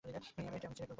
এই আমি ছিঁড়ে ফেললুম।